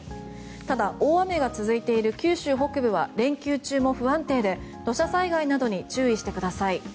ただ、大雨が続いている九州北部は連休中も不安定で土砂災害などに注意してください。